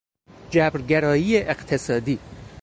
جبرگرایی اقتصادی